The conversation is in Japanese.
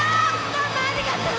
どうもありがとう。